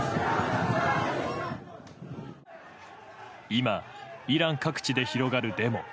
今、イラン各地で広がるデモ。